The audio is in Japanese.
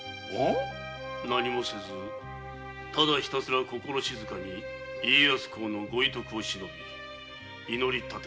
何もせずひたすら心静かに家康公のご遺徳を偲び祈り奉る。